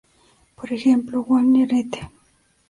Por ejemplo, Wagner et.